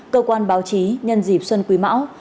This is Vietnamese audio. cơ quan báo chí nhân dịp xuân quý mão